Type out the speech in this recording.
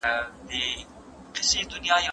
د بې ځايه سوغاتونو څخه په کلکه ډډه وکړئ.